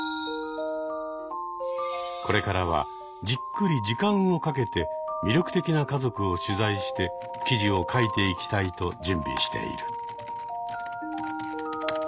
これからはじっくり時間をかけて魅力的な家族を取材して記事を書いていきたいと準備している。